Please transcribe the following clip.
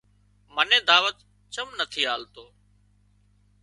منين دعوت چم نٿي آلتو